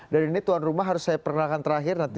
dan ini tuan rumah harus saya perkenalkan terakhir nanti